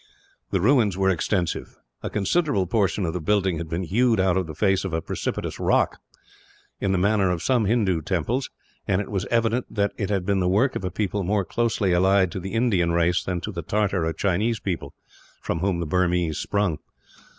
The ruins were extensive. A considerable portion of the building had been hewn out of the face of a precipitous rock, in the manner of some Hindoo temples; and it was evident that it had been the work of a people more closely allied to the Indian race than to the Tartar or Chinese people, from whom the Burmese sprung.